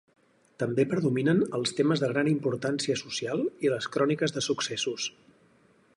També predominen els temes de gran importància social i les cròniques de successos.